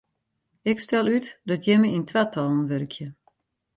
Ik stel út dat jimme yn twatallen wurkje.